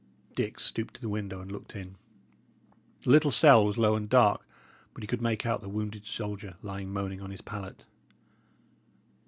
Dick stooped to the window and looked in. The little cell was low and dark, but he could make out the wounded soldier lying moaning on his pallet.